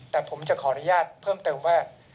แต่ผมจะขออนุญาตเพิ่มเติมว่า